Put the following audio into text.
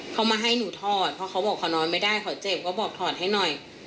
เขามาให้หนูถอดเพราะเขาบอกเขานอนไม่ได้เขาเจ็บก็บอกถอดให้หน่อย